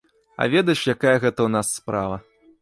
А ведаеш, якая гэта ў нас справа?